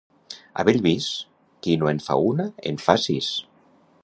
A Bellvís, qui no en fa una en fa sis.